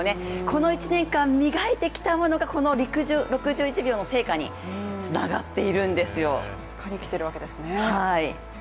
この１年間、磨いてきたものがこの６１秒の成果につながっているんですよ。